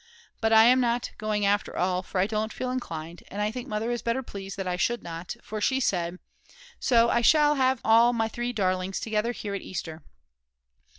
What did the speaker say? But I am not going after all, for I don't feel inclined, and I think Mother is better pleased that I should not; for she said: "So I shall have all my three darlings together here at Easter."